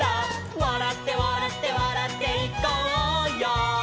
「わらってわらってわらっていこうよ」